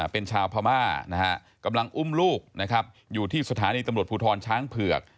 เป็นชาวพามากำลังอุ้มลูกอยู่ที่สถานีตำรวจผู้ทรช้างเผือก